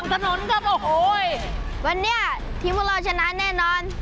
น้ำทงค์พนิมาได้บอลไปก่อน